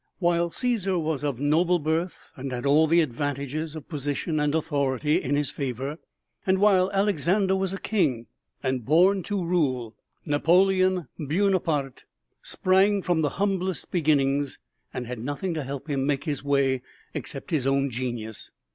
While Cæsar was of noble birth and had all the advantages of position and authority in his favor, and while Alexander was a king and born to rule, Napoleon Buonaparte sprang from the humblest beginnings and had nothing to help him make his way except his own genius.